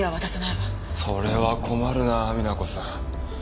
それは困るな美奈子さん